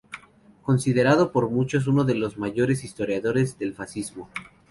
Considerado por muchos uno de los mayores historiadores del fascismo.